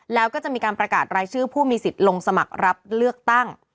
แล้วก็จะมีการประกาศรายชื่อผู้มีสิทธิ์ลงสมัครรับเลือกตั้ง